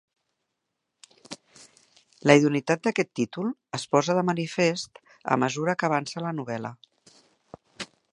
La idoneïtat d'aquest títol es posa de manifest a mesura que avança la novel·la.